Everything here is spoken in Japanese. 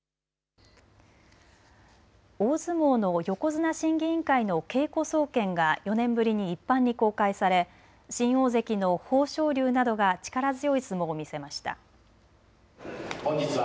大相撲の横綱審議委員会の稽古総見が４年ぶりに一般に公開され新大関の豊昇龍などが力強い相撲を見せました。